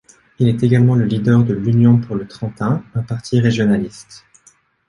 Il est également le leader de l'Union pour le Trentin, un parti régionaliste.